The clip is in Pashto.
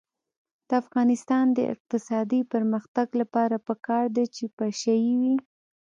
د افغانستان د اقتصادي پرمختګ لپاره پکار ده چې پشه یي وي.